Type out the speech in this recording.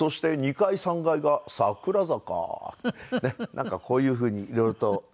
なんかこういうふうに色々と。